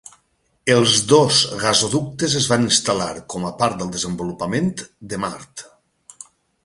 Els dos gasoductes es van instal.lar com a part del desenvolupament de Mart.